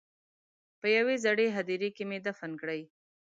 په یوې زړې هدیرې کې مې دفن کړې.